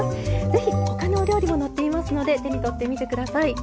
是非他のお料理も載っていますので手に取ってみて下さい。